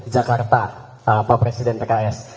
jakarta pak presiden pks